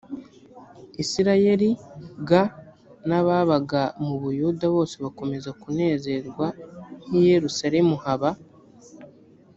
isirayeli g n ababaga mu buyuda bose bakomeza kunezerwa h i yerusalemu haba